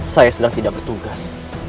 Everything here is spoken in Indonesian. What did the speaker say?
saya sedang tidak bertugas